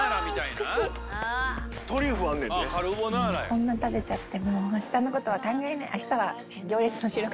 こんなに食べちゃって。